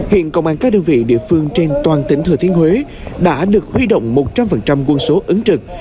hiện công an các đơn vị địa phương trên toàn tỉnh thừa thiên huế đã được huy động một trăm linh quân số ứng trực